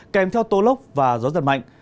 kèm theo tố lốc và gió giật mạnh